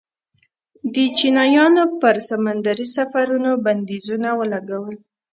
د چینایانو پر سمندري سفرونو بندیزونه ولګول.